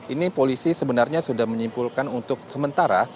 ini polisi sebenarnya sudah menyimpulkan untuk sementara